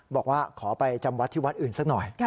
บอกว่าขอไปจำวัดที่วัดอื่นสักหน่อย